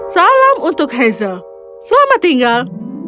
salam untuk hazel selamat tinggal